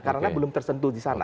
karena belum tersentuh di sana